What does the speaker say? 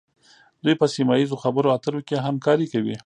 دوی په سیمه ایزو خبرو اترو کې همکاري کوي